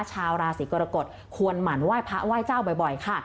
ชาวราศีกรกฎควรหมั่นไหว้พระไหว้เจ้าบ่อยค่ะ